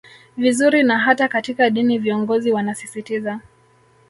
vizuri na hata katika dini viongozi wanasisitiza